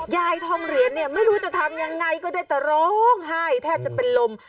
ยายทองเหรียญเนี่ยไม่รู้จะทำยังไงก็ได้แต่ร้องไห้แทบจะเป็นลม